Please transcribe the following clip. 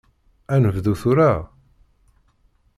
Ad nedbu tura?